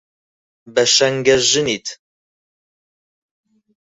بە شەنگەژنیت